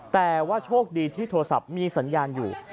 แต่ว่าโชคดีที่โทรศัพท์มีสัญญาณอยู่